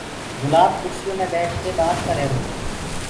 گُلآب ڪُرسيو مي ٻيٺڪي بآت ڪريهروتو